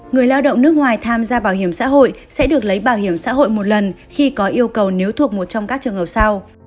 người lao động nước ngoài tham gia bảo hiểm xã hội sẽ được lấy bảo hiểm xã hội một lần khi có yêu cầu nếu thuộc một trong các trường hợp sau